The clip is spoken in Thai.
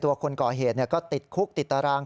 คนก่อเหตุก็ติดคุกติดตาราง